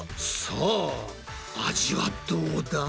さあ味はどうだ？